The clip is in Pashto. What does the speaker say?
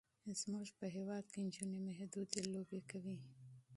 زمونږ په هیواد کې نجونې محدودې لوبې کوي.